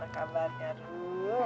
aduh gimana kabarnya aduh